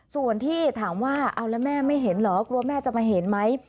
ส่วนที่ถามว่าเอาแล้วแม่ไม่เห็นเหรอกลัวแม่จะมาเห็นไหม